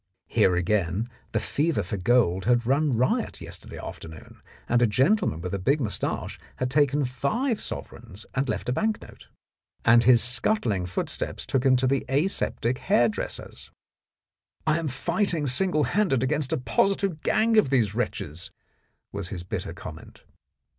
Here again the fever for gold had run riot yesterday afternoon, and a gentleman with a big moustache had taken five sovereigns and left a bank note. And his scuttling footsteps took him to the aseptic hair dresser's. 58 The Blackmailer of Park Lane "I am fighting single handed against a positive gang of these wretches," was his bitter comment.